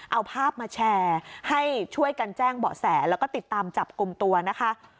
เอาภาพมาแชร์ให้ช่วยกันแจ้งเบาะแสแล้วก็ติดตามจับกลุ่มตัวนะคะ